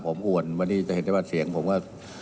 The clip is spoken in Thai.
ผมอวนวันนี้จะเห็นได้ว่าเสียงผมก็